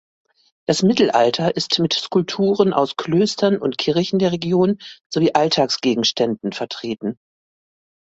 Das Mittelalter ist mit Skulpturen aus Klöstern und Kirchen der Region sowie Alltagsgegenständen vertreten.